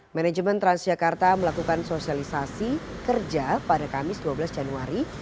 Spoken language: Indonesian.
manajemen transjakarta melakukan sosialisasi kerja pada kamis dua belas januari